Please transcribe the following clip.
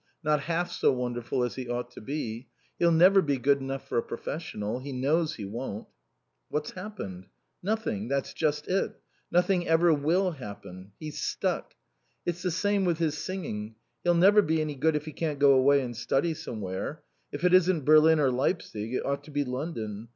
Not half so wonderful as he ought to be. He'll never be good enough for a professional. He knows he won't." "What's happened?" "Nothing. That's just it. Nothing ever will happen. He's stuck. It's the same with his singing. He'll never be any good if he can't go away and study somewhere. If it isn't Berlin or Leipzig it ought to be London.